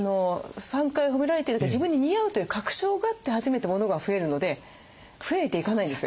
３回ほめられてるから自分に似合うという確証があって初めてモノが増えるので増えていかないんです。